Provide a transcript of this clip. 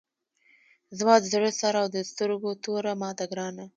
زما د زړه سر او د سترګو توره ماته ګرانه!